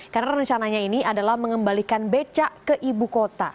karena rencananya ini adalah mengembalikan becak ke ibu kota